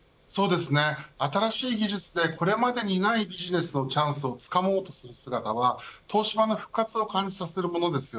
新しい技術でこれまでにないビジネスのチャンスをつかもうとする姿は東芝の復活を感じさせるものです。